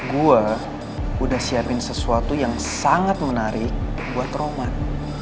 gue udah siapin sesuatu yang sangat menarik buat roman